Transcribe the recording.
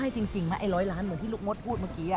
ให้จริงมาไอ้๑๐๐ล้านเมื่อที่ลูกมนต์พูดเมื่อกี้